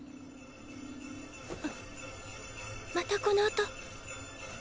またこの音。